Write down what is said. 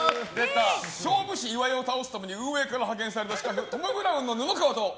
勝負師・岩井を倒すために運営から派遣された刺客トム・ブラウンの布川と。